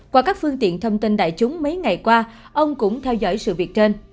qua các phương tiện thông tin đại chúng mấy ngày qua ông cũng theo dõi sự việc trên